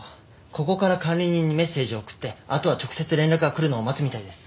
ここから管理人にメッセージを送ってあとは直接連絡が来るのを待つみたいです。